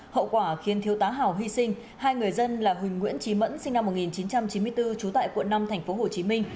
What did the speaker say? hậu quả khiến thiếu tá hào hy sinh hai người dân là huỳnh nguyễn trí mẫn sinh năm một nghìn chín trăm chín mươi bốn trú tại quận năm tp hcm